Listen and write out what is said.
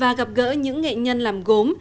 và gặp gỡ những nghệ nhân làm gốm